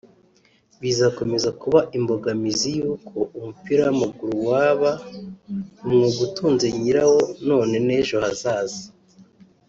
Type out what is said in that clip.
bizakomeza kuba imbogamizi y’uko umupira w’amaguru waba umwuga utunze nyira wo none n’ejo hazaza